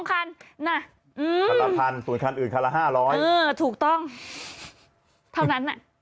คันละ๑๐๐๐บาท๒คัน